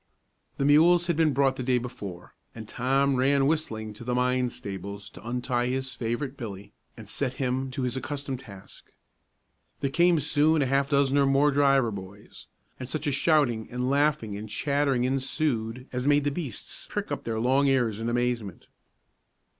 The mules had been brought in the day before, and Tom ran whistling to the mine stables to untie his favorite Billy, and set him to his accustomed task. There came soon a half dozen or more of driver boys, and such a shouting and laughing and chattering ensued as made the beasts prick up their long ears in amazement.